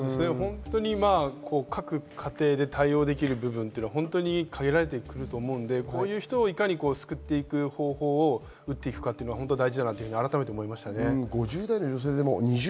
各家庭で対応できる部分っていうのは限られてくると思うので、こういう人をいかに救っていく方法を打っていくかっていうのが大事だなと改めて思いました。